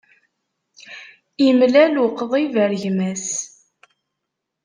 Imlal uqḍib ar gma-s.